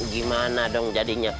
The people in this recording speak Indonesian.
gimana dong jadinya